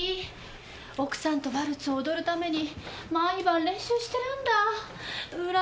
奥さんとワルツ踊るために毎晩練習してるんだうらやましいなぁ。